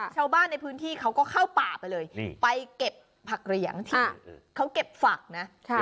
ชาวบ้านในพื้นที่เขาก็เข้าป่าไปเลยไปเก็บผักเหรียงที่เขาเก็บฝักนะ